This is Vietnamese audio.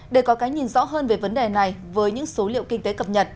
để có cái nhìn rõ hơn về vấn đề này với những số liệu kinh tế cập nhật